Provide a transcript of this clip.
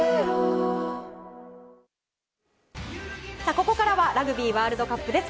ここからはラグビーワールドカップです。